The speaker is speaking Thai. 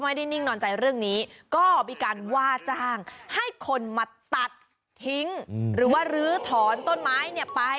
ก็ไม่ได้นิ่งนอนใจเรื่องนี้ก็มีการว่าจ้างให้คนมาตัดทิ้งหรือลี้ถอนต้นไม้แล้วไป